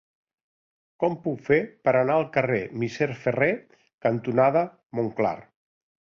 Com ho puc fer per anar al carrer Misser Ferrer cantonada Montclar?